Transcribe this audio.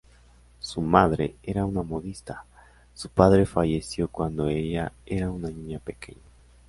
Su madre era una modista; su padre falleció cuando ella era una niña pequeña.